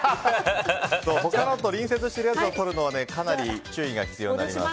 他のと隣接しているのを取るのは注意が必要になります。